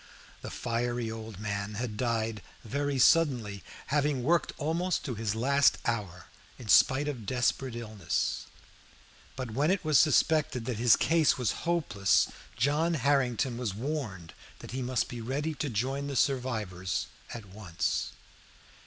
The fiery old man had died very suddenly, having worked almost to his last hour, in spite of desperate illness; but when it was suspected that his case was hopeless, John Harrington was warned that he must be ready to join the survivors at once.